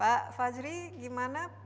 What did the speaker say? pak fajri gimana